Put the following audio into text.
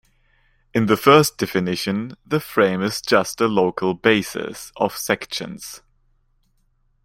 In the first definition, the frame is just a local basis of sections.